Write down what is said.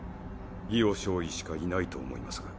イオ少尉しかいないと思いますが。